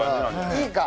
いいか。